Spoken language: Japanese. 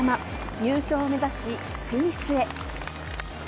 入賞を目指し、フィニッシュへ。